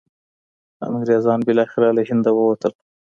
انګریزان بالاخره له هنده ووتل.